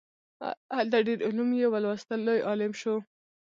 هلته ډیر علوم یې ولوستل لوی عالم شو.